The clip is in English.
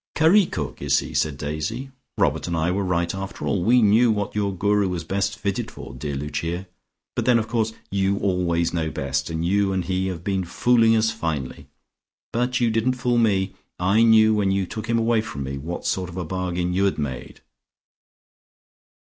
"Curry cook, is he?" said Daisy. "Robert and I were right after all. We knew what your Guru was best fitted for, dear Lucia, but then of course you always know best, and you and he have been fooling us finely. But you didn't fool me. I knew when you took him away from me, what sort of a bargain you had made.